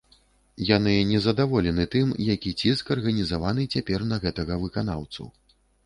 Яны не задаволены тым, які ціск арганізаваны цяпер на гэтага выканаўцу.